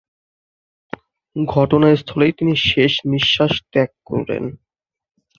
ঘটনাস্থলেই তিনি শেষ নিঃশ্বাস ত্যাগ করেন।